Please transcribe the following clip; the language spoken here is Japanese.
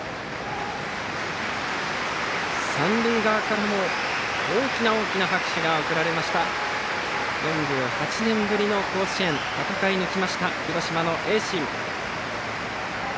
三塁側からも大きな大きな拍手が送られました４８年ぶりの甲子園を戦い抜いた広島の盈進。